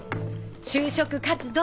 就職活動！